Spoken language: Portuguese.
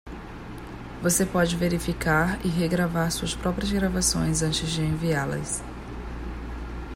Você pode verificar e regravar suas próprias gravações antes de enviá-las.